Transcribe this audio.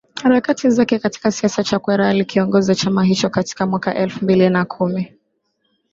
Harakati zake katika siasa Chakwera alikiongoza chama hicho katika mwaka elfu mbili na kumi